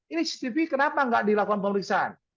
ini cctv kenapa nggak dilakukan pemeriksaan